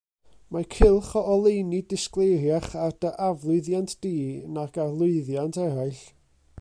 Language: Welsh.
Mae cylch o oleuni disgleiriach ar dy aflwyddiant di nag ar lwyddiant eraill.